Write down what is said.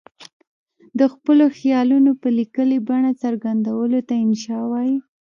د خپلو خیالونو په لیکلې بڼه څرګندولو ته انشأ وايي.